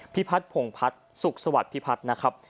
พัฒนผงพัฒน์สุขสวัสดิพิพัฒน์นะครับ